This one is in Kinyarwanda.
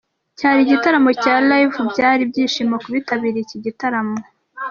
Cyari igitaramo cya LiveByari ibyishimo ku bitabiriye iki gitaramo.